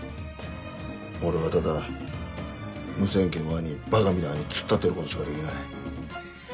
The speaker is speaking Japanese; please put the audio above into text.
俺はただ無線機の前にバカみたいに突っ立ってることしかできない。